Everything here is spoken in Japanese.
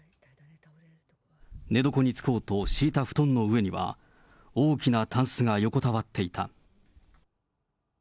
寝床につこうと敷いた布団の上には、大きなたんすが横たわっていた。